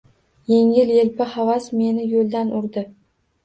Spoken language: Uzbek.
Yengil-yelpi havas meni yo’ldan urdi.